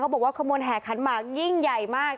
บอกว่าขบวนแห่ขันหมากยิ่งใหญ่มาก